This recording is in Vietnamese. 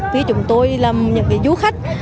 vì chúng tôi là những du khách